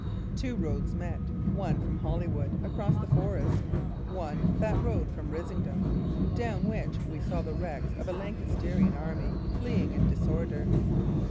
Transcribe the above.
Two roads met: one, from Holywood across the forest; one, that road from Risingham down which we saw the wrecks of a Lancastrian army fleeing in disorder.